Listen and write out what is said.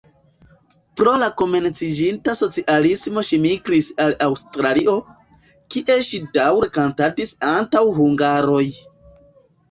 Pro la komenciĝinta socialismo ŝi migris al Aŭstralio, kie ŝi daŭre kantadis antaŭ hungaroj.